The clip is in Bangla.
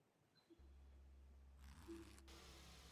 ব্যাটা, পাগল কোথাকার।